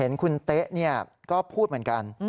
เห็นคุณเต๊ะก็พูดเหมือนกัน